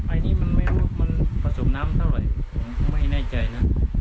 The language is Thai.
อันนี้มันไม่รู้มันผสมน้ำเท่าไหร่ผมไม่แน่ใจนะ